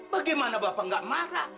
bagaimana bapak nggak marah